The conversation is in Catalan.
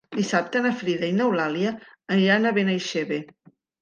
Dissabte na Frida i n'Eulàlia aniran a Benaixeve.